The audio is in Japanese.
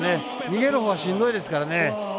逃げるほうはしんどいですからね。